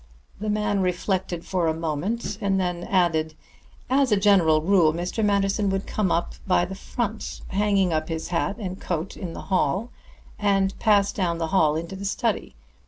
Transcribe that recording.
The man reflected for a moment, then added: "As a general rule, Mr. Manderson would come in by the front, hang up his hat and coat in the hall, and pass down the hall into the study.